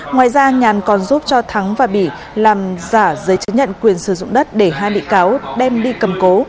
ngoài ra nhàn còn giúp cho thắng và bỉ làm giả giấy chứng nhận quyền sử dụng đất để hai bị cáo đem đi cầm cố